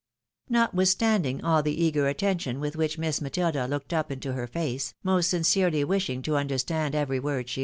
" Notwithstanduig all the eager attention with which Miss Matilda looked up into her face — most sincerely wishing to understand every word she.